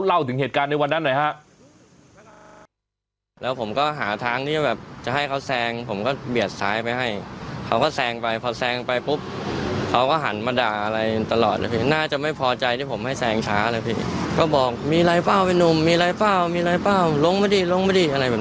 เล่าถึงเหตุการณ์ในวันนั้นหน่อยฮะ